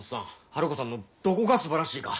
ハルコさんのどこがすばらしいか。